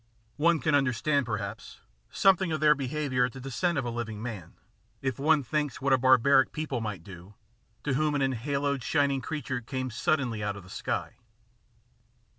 One can under stand, perhaps, something of their behaviour at the descent of a living man, if one thinks what a barbaric people might do, to whom an enhaloed, shining crea ture came suddenly out of the sky.